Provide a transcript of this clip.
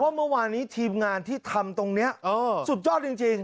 เมื่อวานนี้ทีมงานที่ทำตรงนี้สุดยอดจริง